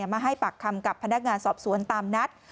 มาให้ปากคำกับพนักงานสอบสวนตามนัด